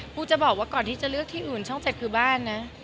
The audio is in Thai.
กูจะบอกว่าก่อนที่จะเลือกที่อื่นช่อง๗คือบ้านนะ